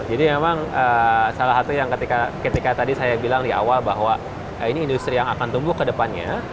jadi memang salah satu yang ketika tadi saya bilang di awal bahwa ini industri yang akan tumbuh kedepannya